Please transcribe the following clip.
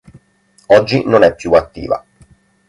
Oggi non è più attiva.